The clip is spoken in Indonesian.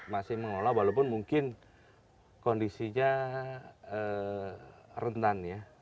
masih mengelola walaupun mungkin kondisinya rentan ya